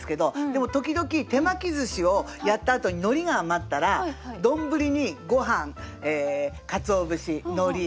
でも時々手巻きずしをやったあとにのりが余ったら丼にごはんかつお節のり